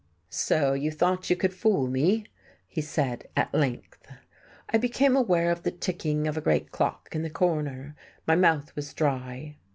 "So you thought you could fool me," he said, at length. I became aware of the ticking of a great clock in the corner. My mouth was dry.